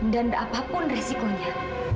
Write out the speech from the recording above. dan apapun resikonya